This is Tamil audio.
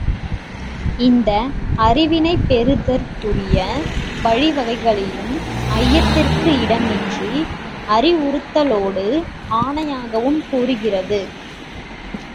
இந்த அறிவினைப் பெறுதற்குரிய வழி வகைகளையும் ஐயத்திற்கு இடமின்றி அறிவுறுத்தலோடு ஆணையாகவும் கூறுகிறது.